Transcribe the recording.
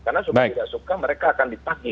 kalau mereka tidak suka mereka akan dipakai